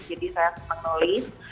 jadi saya penulis